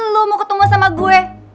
lo mau ketemu sama gue